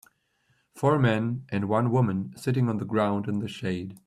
Four men and one woman sitting on the ground in the shade.